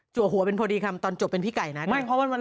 จัดหัวเป็นพอดีคำตอนจบเป็นพี่ไก่น่ะไม่เพราะว่ามัน